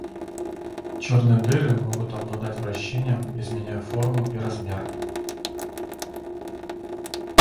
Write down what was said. Черные дыры могут обладать вращением, изменяя форму и размер.